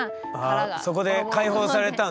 そこで解放されたんですね。